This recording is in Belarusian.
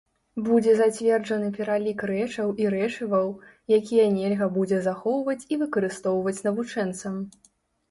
Будзе зацверджаны пералік рэчаў і рэчываў, якія нельга будзе захоўваць і выкарыстоўваць навучэнцам.